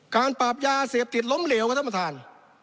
ปราบยาเสพติดล้มเหลวครับท่านประธาน